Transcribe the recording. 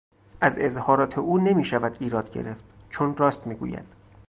از اظهارات او نمیشود ایراد گرفت چون راست میگوید.